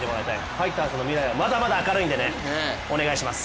ファイターズの未来はまだまだ明るいんでお願いします。